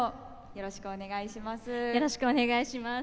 よろしくお願いします。